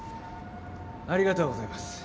ありがとうございます。